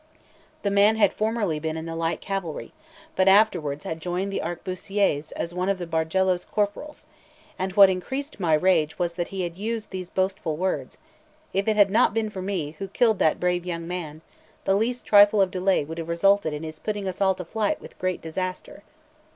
The man had formerly been in the light cavalry, but afterwards had joined the arquebusiers as one of the Bargello's corporals; and what increased my rage was that he had used these boastful words: "If it had not been for me, who killed that brave young man, the least trifle of delay would have resulted in his putting us all to flight with great disaster."